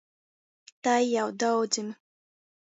Tai jau daudzim.